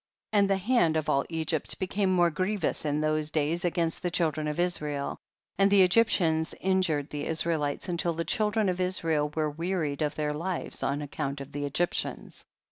3. And the hand of all Egypt be came more grievous in those days against the children of Israel, and the Egyptians injured the Israelites until the children of Israel were wearied of their lives on account of the Egyptians.